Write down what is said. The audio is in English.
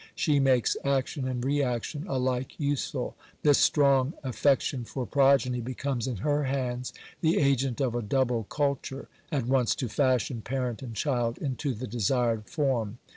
She makes action and re action alike usefiil. This strong af fection for progeny becomes in her hands the agent of a double culture, serving at once to fashion parent and child into the desired form.